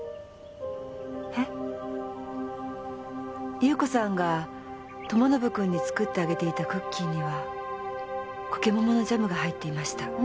優子さんが友宣君に作ってあげていたクッキーにはコケモモのジャムが入っていました。